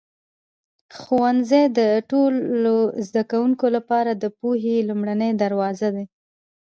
ښوونځی د ټولو زده کوونکو لپاره د پوهې لومړنی دروازه دی.